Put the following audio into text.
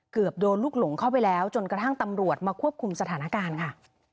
เกือบโดนลูกหลงเข้าไปแล้วจนกระทั่งตำรวจมาควบคุมสถานการณ์ค่ะ